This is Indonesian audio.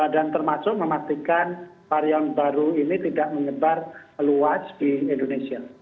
dan termasuk memastikan varian baru ini tidak menyebar luas di indonesia